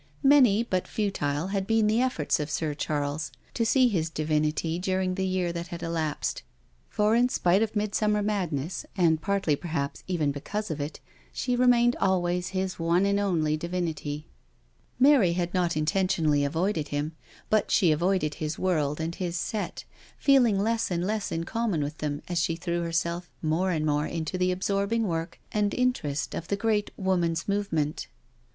Many, but futile, had been the efforts of Sir Charles to see his divinity during the year that had elapsed. For in spite of midsummer madness, and partly perhaps, even because of it, she remained always his one and only divinity. Mary had not intentionally avoided him, but she avoided his world and his set, feeling less and less ii^ conunon with them as she threw herself more and more into the absorbing work and interest of the great Woman's Movement.